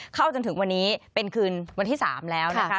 จนถึงวันนี้เป็นคืนวันที่๓แล้วนะคะ